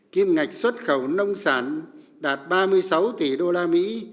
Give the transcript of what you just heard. kim ngạch xuất khẩu nông sản đạt ba mươi sáu tỷ đô la mỹ